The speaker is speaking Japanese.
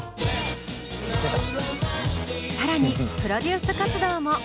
更にプロデュース活動も。